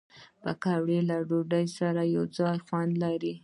پکورې له ډوډۍ سره یو خوند لري